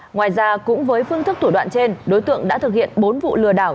ngoài ra cũng với phương thức thủ đoạn trên đối tượng đã thực hiện bốn vụ lừa đảo